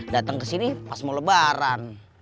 datang kesini pas mau lebaran